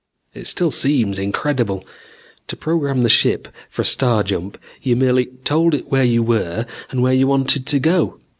"It still seems incredible. To program the ship for a star jump, you merely told it where you were and where you wanted to go.